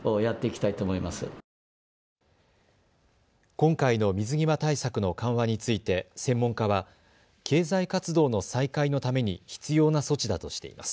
今回の水際対策の緩和について専門家は経済活動の再開のために必要な措置だとしています。